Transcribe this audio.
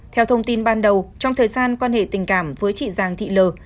theo thông tin ban đầu trong thời gian quan hệ tình cảm với chị giàng thị lờ